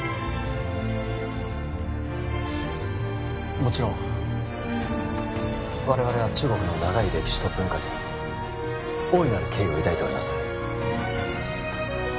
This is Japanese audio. もちろん我々は中国の長い歴史と文化に大いなる敬意を抱いております